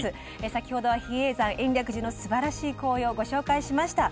先ほどは比叡山延暦寺のすばらしい紅葉をご紹介しました。